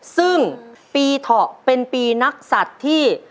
ซึ่งปีเถาะเป็นปีนักศัตริย์ที่